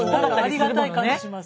ありがたい感じします。